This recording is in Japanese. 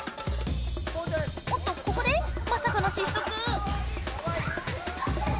おっとここでまさかの失速！